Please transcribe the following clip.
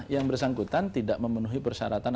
yang bersangkutan tidak memenuhi persyaratan